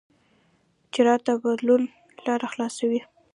جرأت د بدلون لاره خلاصوي.